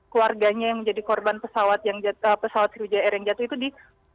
keluarganya yang menjadi korban pesawat sriwijaya air yang jatuh itu di